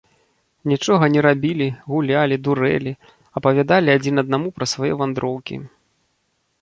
Нічога не рабілі, гулялі, дурэлі, апавядалі адзін аднаму пра свае вандроўкі.